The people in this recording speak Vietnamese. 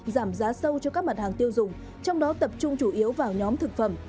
giảm giá sâu cho các mặt hàng tiêu dùng trong đó tập trung chủ yếu vào nhóm thực phẩm